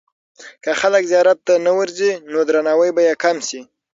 که خلک زیارت ته نه ورځي، نو درناوی به یې کم سي.